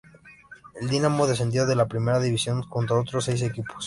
El Dinamo descendió de la Primera división junto a otros seis equipos.